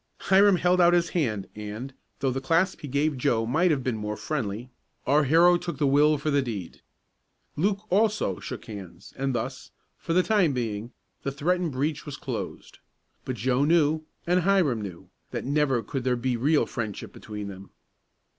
Hiram held out his hand and, though the clasp he gave Joe might have been more friendly, our hero took the will for the deed. Luke, also, shook hands, and thus, for the time being, the threatened breach was closed. But Joe knew, and Hiram knew, that never could there be real friendship between them.